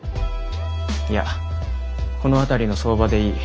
いやこの辺りの相場でいい。